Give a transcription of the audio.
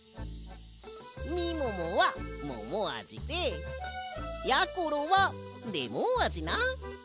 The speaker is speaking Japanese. みももはももあじでやころはレモンあじな。